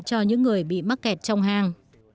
cho những người bị mắc kẹt trong hàng